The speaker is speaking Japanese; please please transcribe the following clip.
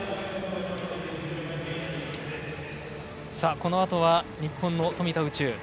このあとは日本の富田宇宙。